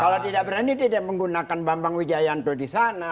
kalau tidak berani tidak menggunakan bambang wijayanto di sana